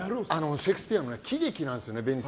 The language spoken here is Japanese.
シェイクスピアの喜劇なんですよね。